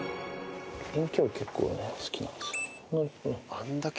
結構ね、好きなんですよね。